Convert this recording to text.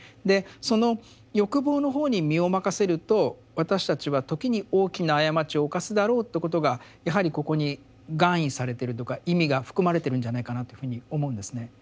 でその欲望の方に身を任せると私たちは時に大きな過ちを犯すだろうということがやはりここに含意されてるというか意味が含まれてるんじゃないかなというふうに思うんですね。